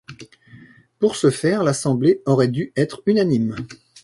Pour ce faire, l'assemblée aurait dû être unanime.